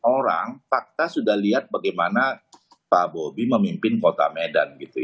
orang fakta sudah lihat bagaimana pak bobi memimpin kota medan gitu